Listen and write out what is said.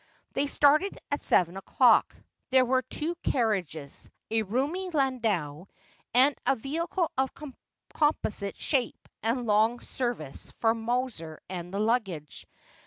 They started at seven o'clock. There were two carriages ; a roomy landau, and a vehicle of composite shape and long service for Mowser and the luggage.